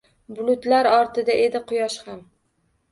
Bulutlar ortida edi quyosh ham.